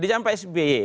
di jampai sby